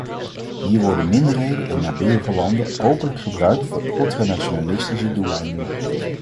Hier worden minderheden in naburige landen openlijk gebruikt voor ultranationalistische doeleinden.